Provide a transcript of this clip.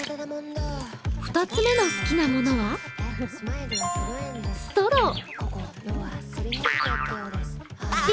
２つ目の好きな物は、ストロー。